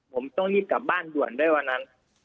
ผมต้องรีบกลับบ้านด่วนด้วยวันนั้น